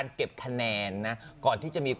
รอบพรีมี